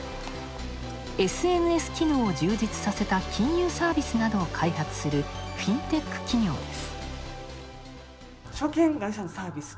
ＳＮＳ機能を充実させた金融サービスなどを開発する、フィンテック企業です。